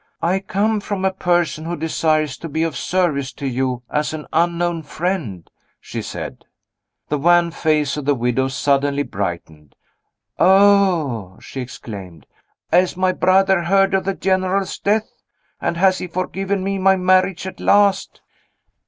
"I come from a person who desires to be of service to you as an unknown friend," she said. The wan face of the widow suddenly brightened. "Oh!" she exclaimed, "has my brother heard of the General's death? and has he forgiven me my marriage at last?"